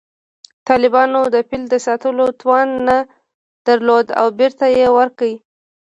طالبانو د فیل د ساتلو توان نه درلود او بېرته یې ورکړ